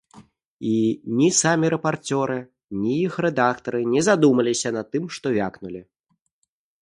І ні самі рэпарцёры, ні іх рэдактары не задумаліся над тым, што вякнулі.